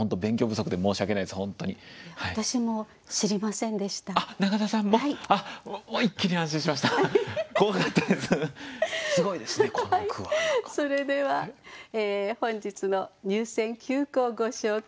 それでは本日の入選九句をご紹介します。